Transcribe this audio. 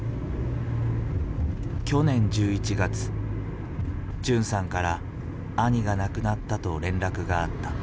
純さんから兄が亡くなったと連絡があった。